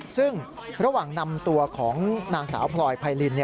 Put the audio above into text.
ซึ่งระหว่างนำตัวของนางสาวพลอยไพริน